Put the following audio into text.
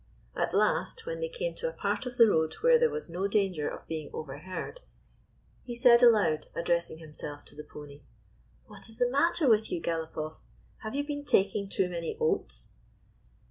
At last, when they came to a part of the road where there was no danger of being overheard, he s$d aloud, ad dressing himself to the pony : "What is the matter with you, Galopoff? Have you been taking too many oats